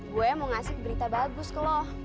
gue mau ngasih berita bagus ke loh